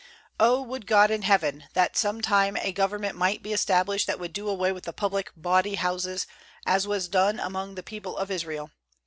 O, would God in heaven, that some time a government might be established that would do away with the public bawdy houses, as was done among the people of Israel!